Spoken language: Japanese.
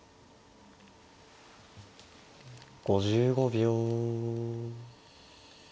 ５５秒。